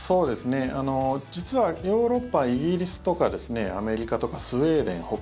実はヨーロッパ、イギリスとかアメリカとかスウェーデン